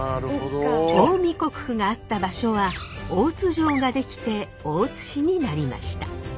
近江国府があった場所は大津城ができて大津市になりました。